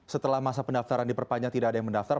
setelah masa pendaftaran diperpanjang tidak ada yang mendaftar